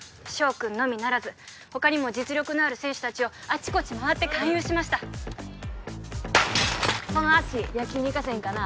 君のみならず他にも実力のある選手達をあちこち回って勧誘しましたその足野球に生かせへんかな